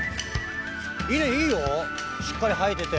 稲、いいよ、しっかり生えてて。